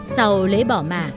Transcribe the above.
sau lễ bỏ mạ